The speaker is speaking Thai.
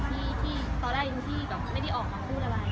ที่ตอนแรกยังที่แบบไม่ได้ออกมาพูดอะไร